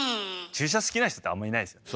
注射好きな人ってあんまいないですよね。